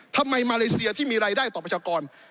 มาเลเซียที่มีรายได้ต่อประชากร